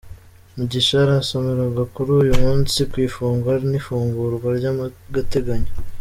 Mugisha arasomerwa kuri uyu munsi ku ifungwa n’ifungurwa ry’agateganyo.